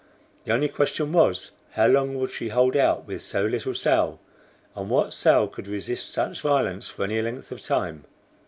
The only question was, how long would she hold out with so little sail, and what sail could resist such violence for any length of time.